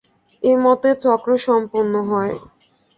এমতে চক্র সম্পন্ন হয়।